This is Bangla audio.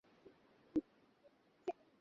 একটা কাঁটার বন হবে তার সমাধি।